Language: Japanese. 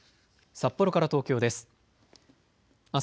札幌から東京です。